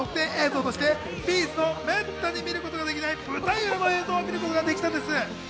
そしてなんと、特典映像としてＢ’ｚのめったに見ることができない舞台裏の映像を見ることができるんです。